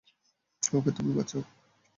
ওকে তুমি বাঁচাও।